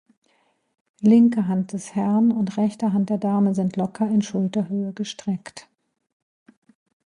Linke Hand des Herrn und rechte Hand der Dame sind locker in Schulterhöhe gestreckt.